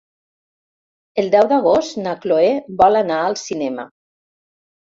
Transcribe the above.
El deu d'agost na Chloé vol anar al cinema.